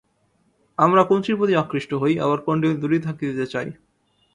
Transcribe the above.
আমরা কোনটির প্রতি আকৃষ্ট হই, আবার কোনটি হইতে দূরে থাকিতে চাই।